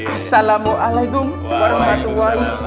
assalamualaikum warahmatullahi wabarakatuh